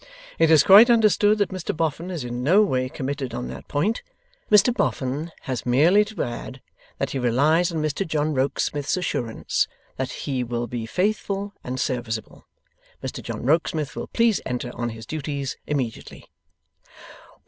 It is quite understood that Mr Boffin is in no way committed on that point. Mr Boffin has merely to add, that he relies on Mr John Rokesmith's assurance that he will be faithful and serviceable. Mr John Rokesmith will please enter on his duties immediately."